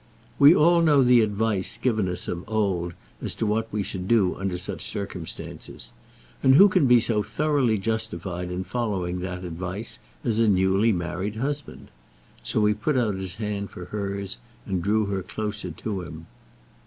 We all know the advice given us of old as to what we should do under such circumstances; and who can be so thoroughly justified in following that advice as a newly married husband? So he put out his hand for hers and drew her closer to him.